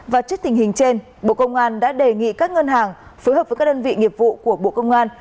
và trước tình hình trên bộ công an đã đề nghị các ngân hàng phối hợp với các đơn vị nghiệp vụ của bộ công an